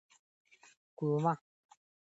د کولمو سالمه غذا د ذهني هوساینې ملاتړ کوي.